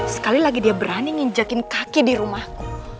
sekali lagi dia berani nginjakin kaki di rumahku